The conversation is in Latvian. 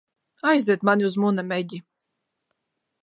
Aizved mani uz Munameģi!